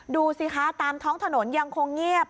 ดูสิคะตามท้องถนนยังคงเงียบ